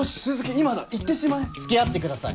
今だいってしまえ。付き合ってください！